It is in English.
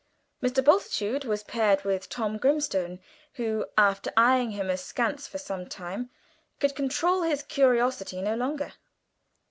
Mr. Bultitude was paired with Tom Grimstone, who, after eyeing him askance for some time, could control his curiosity no longer.